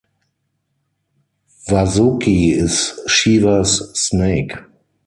Vasuki is Shiva's snake.